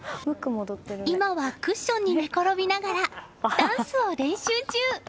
今はクッションに寝ころびながらダンスを練習中。